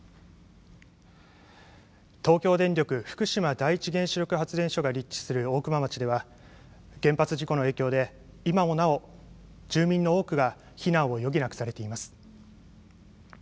東京電力福島第一原子力発電所が立地する大熊町では原発事故の影響で今もなお住民の多くが避難を余儀なくされています。